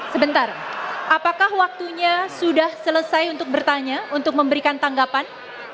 sebentar apakah waktunya sudah selesai untuk bertanya untuk memberikan tanggapan